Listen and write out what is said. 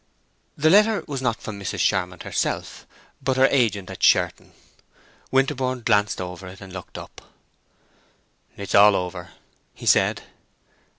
The letter was not from Mrs. Charmond herself, but her agent at Sherton. Winterborne glanced it over and looked up. "It's all over," he said.